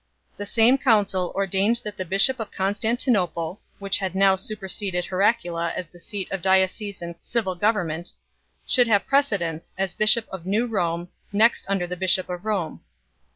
The same council 4 ordained that the bishop of Constantinople which had now super seded Heraclea as the seat of diocesan civil government should have precedence, as bishop of New Rome, next after the bishop of Rome.